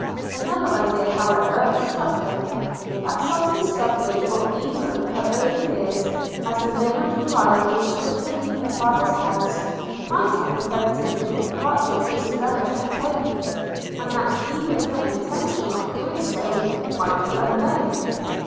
Another idea however struck him, that some discovery, or even her own fears, as the moment arrived when she was to leave her father's house, might have prevented the departure of Isabella from home; and that even her intention of doing so might be unknown.